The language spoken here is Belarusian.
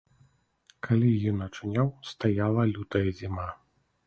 Калі ён ачуняў, стаяла лютая зіма.